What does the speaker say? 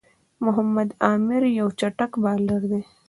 محمد عامِر یو چټک بالر دئ.